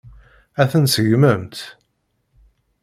Ad ten-tseggmemt?